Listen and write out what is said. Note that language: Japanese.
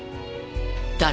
誰？